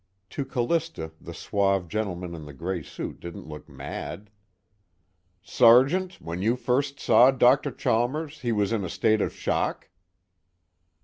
To Callista the suave gentleman in the gray suit didn't look mad. "Sergeant, when you first saw Dr. Chalmers he was in a state of shock?"